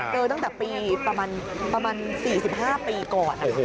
ตั้งแต่ปีประมาณ๔๕ปีก่อน